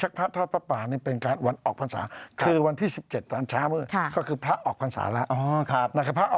หนอนนิดหนึ่งครับ